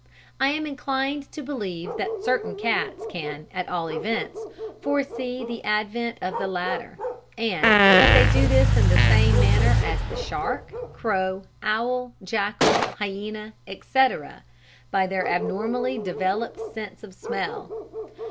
I am inclined to believe that certain cats can at all events foresee the advent of the latter; and that they do this in the same manner as the shark, crow, owl, jackal, hyena, etc., viz. by their abnormally developed sense of smell.